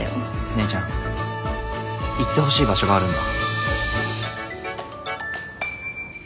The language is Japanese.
姉ちゃん行ってほしい場所があるんだ。